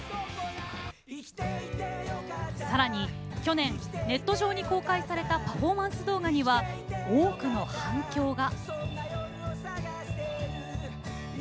さらに、去年ネット上に公開されたパフォーマンス動画には多くの反響が。